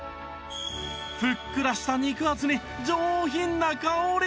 ふっくらした肉厚に上品な香り